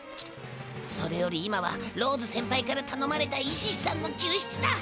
それより今はローズせんぱいからたのまれたイシシさんの救出だ！